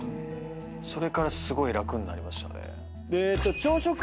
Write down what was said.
それからすごい楽になりましたね。